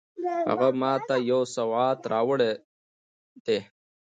هغې ما ته یو سوغات راوړی ده